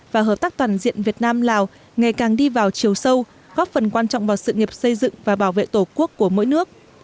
và hợp tác toàn diện việt nam lào ngày càng đi vào chiều sâu góp phần quan trọng vào sự nghiệp xây dựng và bảo vệ tổ quốc của mỗi nước